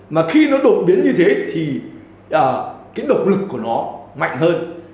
mà khi nó đột biến như thế thì cái độc lực của nó mạnh hơn